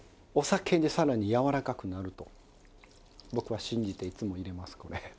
お酒でさらにやわらかくなると僕は信じていつも入れますこれ。